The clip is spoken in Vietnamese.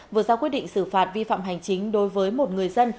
vừa ra quyết định xử phạt vi phạm hành chính đối với một người dân